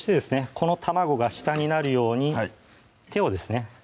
この卵が下になるように手をですね